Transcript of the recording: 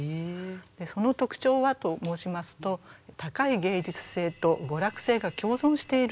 その特徴はと申しますと高い芸術性と娯楽性が共存しているということなんですね。